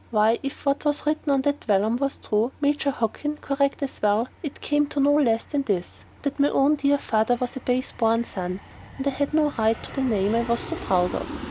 Why, if what was written on that vellum was true, and Major Hockin correct as well, it came to no less than this, that my own dear father was a base born son, and I had no right to the name I was so proud of!